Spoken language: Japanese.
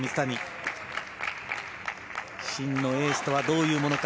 真のエースとはどんなものか。